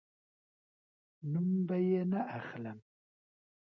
نوم به یې نه اخلم